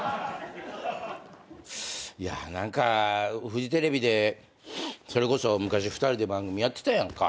いや何かフジテレビでそれこそ昔２人で番組やってたやんか。